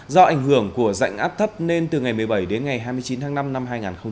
do ảnh hưởng của dạnh áp thấp nên từ ngày một mươi bảy đến ngày hai mươi chín tháng năm năm hai nghìn hai mươi